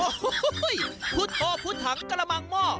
โอ้โฮฮุ่ยพุทธโทษพุทธหังกระมังหม้อ